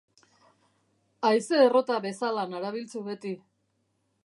Haize errota bezala narabilzu beti.